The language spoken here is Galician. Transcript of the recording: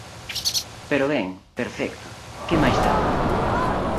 Pero ben, perfecto; que máis dá.